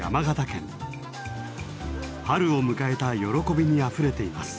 春を迎えた喜びにあふれています。